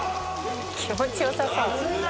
気持ちよさそう。